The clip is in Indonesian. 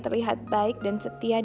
lihat bersama saya